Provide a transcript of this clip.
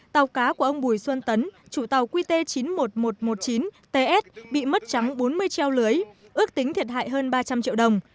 tàu cá của ông bùi xuân tấn chủ tàu qt chín mươi một nghìn một trăm một mươi chín ts bị mất trắng bốn mươi treo lưới ước tính thiệt hại hơn ba trăm linh triệu đồng